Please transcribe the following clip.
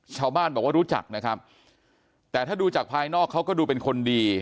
ชาวบ้านบอกว่ารู้จักนะครับแต่ถ้าดูจากภายนอกเขาก็ดูเป็นคนดี